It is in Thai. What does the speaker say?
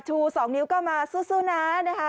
ชู๒นิ้วก็มาสู้นะนะคะ